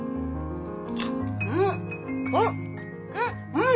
うん！